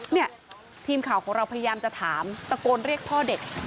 เนี่ยทีมข่าวของเราพยายามจะถามตะโกนเรียกพ่อเด็ก